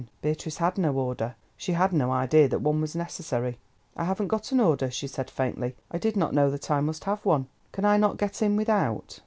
Beatrice had no order. She had no idea that one was necessary. "I haven't got an order," she said faintly. "I did not know that I must have one. Can I not get in without?"